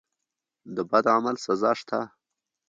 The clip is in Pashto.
د بد عمل سزا شته.